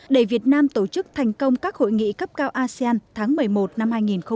để việt nam tổ chức thành công các hội nghị cấp cao asean tháng một mươi một năm hai nghìn hai mươi